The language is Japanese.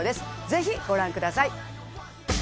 ぜひご覧ください